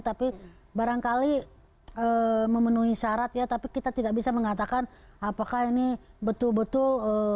tapi barangkali memenuhi syarat ya tapi kita tidak bisa mengatakan apakah ini betul betul